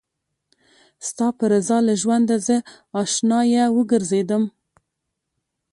ستا په رضا له ژونده زه اشنايه وګرځېدم